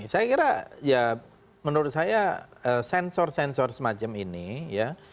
saya kira ya menurut saya sensor sensor semacam ini ya